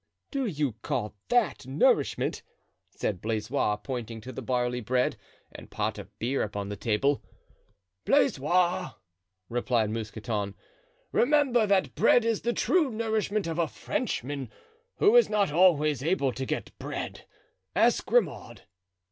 "Do you call that nourishment?" said Blaisois, pointing to the barley bread and pot of beer upon the table. "Blaisois," replied Mousqueton, "remember that bread is the true nourishment of a Frenchman, who is not always able to get bread, ask Grimaud."